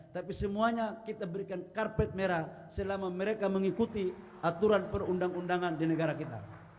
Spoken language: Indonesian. tapi semuanya kita berikan karpet merah selama mereka mengikuti aturan perundang undangan di negara kita